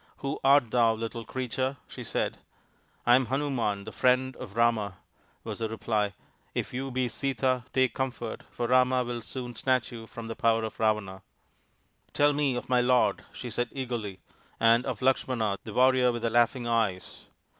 " Who art thou, little Creature?" she said. " I am Hanuman, the friend of Rama," was the reply. " If you be Sita, take comfort, for Rama will soon snatch you from the power of Ravana." RAMA'S QUEST 37 " Tell me of my lord/' she said eagerly, " and of Lakshmana, the warrior with the laughing eyes."